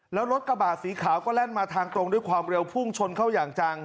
แล้วรถกระบะสีขาวก็แล่นมาทางตรงด้วยความเร็วพุ่งชนเข้าอย่างจัง